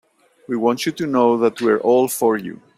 We want you to know that we're all for you.